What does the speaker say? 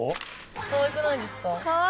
かわいくないですか？